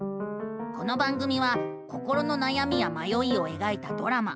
この番組は心のなやみやまよいをえがいたドラマ。